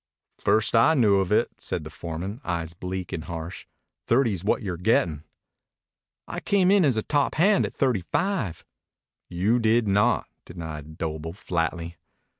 "First I knew of it," said the foreman, eyes bleak and harsh. "Thirty's what you're gettin'." "I came in as top hand at thirty five." "You did not," denied Doble flatly.